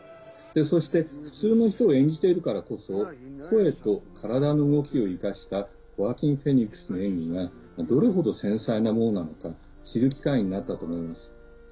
そして、普通の人を演じているからこそ声と体の動きを生かしたホアキン・フェニックスの演技がどれほど繊細なものなのか知る機会になったと思います。